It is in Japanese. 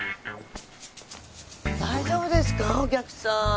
大丈夫ですかお客さん？